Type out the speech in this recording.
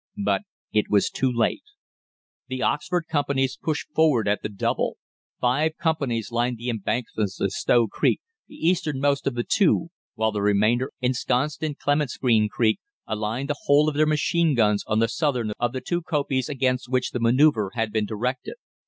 But it was too late. The Oxford companies pushed forward at the double. Five companies lined the embankments of Stow Creek, the easternmost of the two, while the remainder, ensconced in Clementsgreen Creek, aligned the whole of their machine guns on the southern of the two kopjes against which the manoeuvre had been directed.